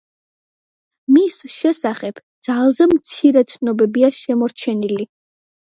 მის შესახებ ძალზე მცირე ცნობებია შემორჩენილი.